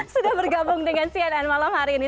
sudah bergabung dengan cnn malam hari ini